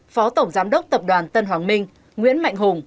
phó tổng giám đốc tập đoàn tân hoàng minh nguyễn mạnh hùng